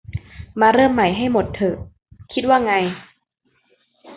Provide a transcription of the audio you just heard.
มาเริ่มใหม่ให้หมดเถอะ คิดว่าไง